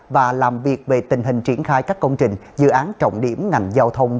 và làm việc về tình hình triển khai các công trình dự án trọng điểm ngành giao thông